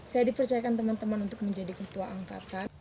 saya dipercayakan teman teman untuk menjadi ketua angkatan